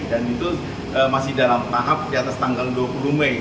dan itu masih dalam tahap di atas tanggal dua puluh mei